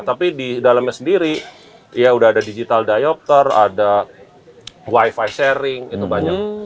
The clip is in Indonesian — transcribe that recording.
tapi di dalamnya sendiri ya udah ada digital diopter ada wifi sharing gitu banyak